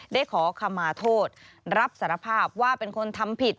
ได้ขอคำมาโทษรับสารภาพว่าเป็นคนทำผิด